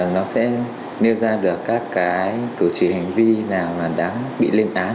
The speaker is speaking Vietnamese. nó sẽ nêu ra được các cái cử chỉ hành vi nào là đáng bị lên án